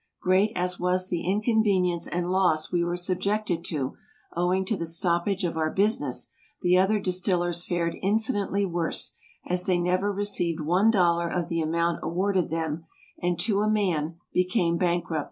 Great as was the inconvenience and loss we were subjected to, owing to the stoppage of our business, the other distillers fared infinitely worse, as they never received one dollar of the amount awarded them and to a man became bankrupt.